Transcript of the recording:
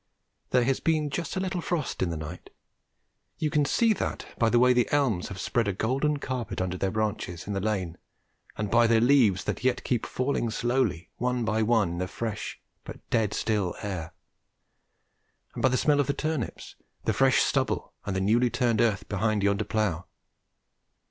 There has been just a little frost in the night: you can see that by the way the elms have spread a golden carpet under their branches in the lane and by their leaves that yet keep falling slowly one by one in the fresh, but dead still, air, and by the smell of the turnips, the fresh stubble and the newly turned earth behind yonder plough.